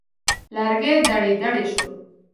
لرګی دړې دړې شو.